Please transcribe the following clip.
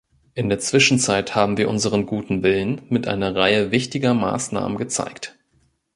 In der Zwischenzeit haben wir unseren guten Willen mit einer Reihe wichtiger Maßnahmen gezeigt.